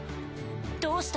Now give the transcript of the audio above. どうした？